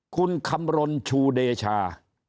คุณคำรณชูเดชา